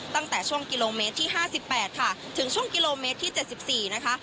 ตั้งแต่ช่วงกิโลเมตรที่ห้าสิบแปดค่ะถึงช่วงกิโลเมตรที่เจ็ดสิบสี่นะคะ